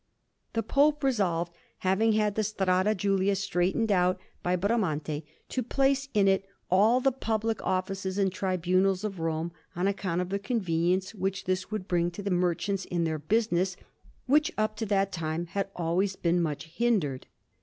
The Pope resolved, having had the Strada Julia straightened out by Bramante, to place in it all the public offices and tribunals of Rome, on account of the convenience which this would bring to the merchants in their business, which up to that time had always been much hindered.